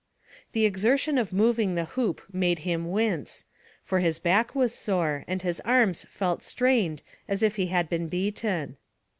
The exertion of moving the hoop made him wince, for his back was sore and his arms felt strained as if he had been beaten.